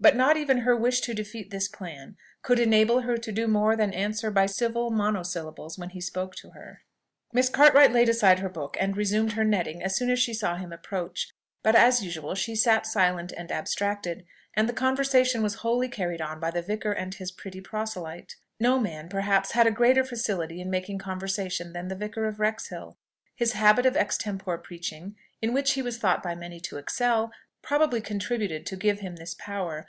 But not even her wish to defeat this plan could enable her to do more than answer by civil monosyllables when he spoke to her. Miss Cartwright laid aside her book and resumed her netting as soon as she saw him approach; but as usual, she sat silent and abstracted, and the conversation was wholly carried on by the vicar and his pretty proselyte. No man, perhaps, had a greater facility in making conversation than the Vicar of Wrexhill: his habit of extempore preaching, in which he was thought by many to excel, probably contributed to give him this power.